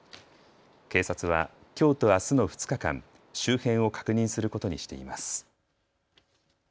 警察はきょうとあすの２日間、周辺を確認することにしています。